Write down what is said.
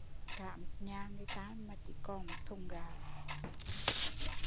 Cả một nhà người ta mà chỉ còn một thùng gạo